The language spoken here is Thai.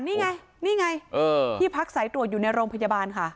นี่ไงนี่ไงที่พักสายตรวจอยู่ในโรงพยาบาลค่ะ